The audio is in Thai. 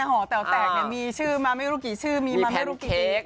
หอแควะแซงมีชื่อมาไม่รู้กี่มีแปนเค้ก